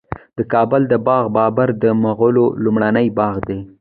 د کابل د باغ بابر د مغلو لومړنی باغ دی